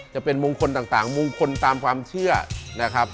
จะเป็นมงคลต่างมงคลตามความเชื่อนะครับ